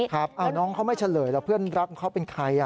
ครับอ้าวน้องเขาไม่เฉลยแล้วเพื่อนรักเขาเป็นใครอ่ะ